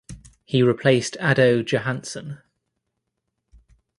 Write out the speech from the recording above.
He replaced Ado Johanson.